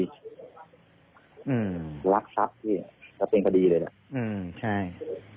รับเป็นคดีเลยละ